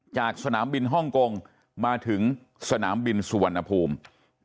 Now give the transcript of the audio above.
จากสนามบินฮ่องกงมาถึงสนามบินสุวรรณภูมิ